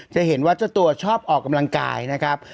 จะเห็นว่าเจ้าตัวชอบออกกำลังกายนะครับ